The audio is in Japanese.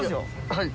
はい。